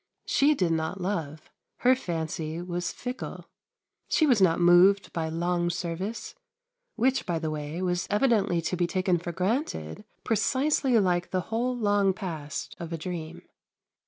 She did not love; her fancy was fickle; she was not moved by long service, which, by the way, was evidently to be taken for granted precisely like the whole long past of a dream.